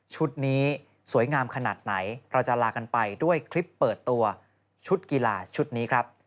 นี้สวยงามขนาดไหนเราจะลากันไปด้วยคลิปเปิดตัวชุดกีฬาชุดนี้ครับ